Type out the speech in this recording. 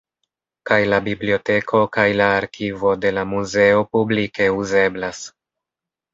Kaj la biblioteko kaj la arkivo de la muzeo publike uzeblas.